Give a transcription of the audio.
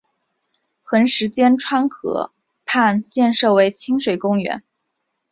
横十间川河畔建设为亲水公园。